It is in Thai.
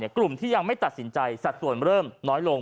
กลุ่มที่ยังไม่ตัดสินใจสัดส่วนเริ่มน้อยลง